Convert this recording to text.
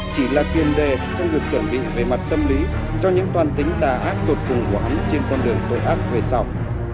chỉ là kiên đề trong việc chuẩn bị về mặt tâm lý cho những toàn tính đà ác tột cùng của hắn trên con đường tội ác về sau